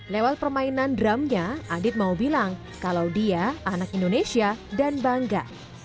lewat permainan drumnya adit mau bilang kalau dia anak indonesia dan bangga